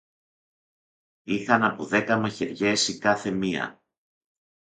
Είχαν από δέκα μαχαιριές η καθεμιά